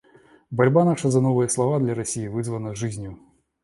Борьба наша за новые слова для России вызвана жизнью.